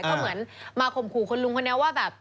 ก็เหมือนมาข่มขู่คุณลุงคนนี้ว่าแบบ